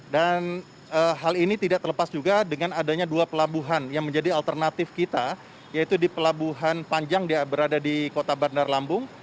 dan hal ini tidak terlepas juga dengan adanya dua pelabuhan yang menjadi alternatif kita yaitu di pelabuhan panjang berada di kota bandar lambung